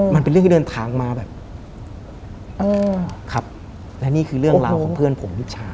มันเป็นเรื่องที่เดินทางมาแบบครับและนี่คือเรื่องราวของเพื่อนผมลูกชาย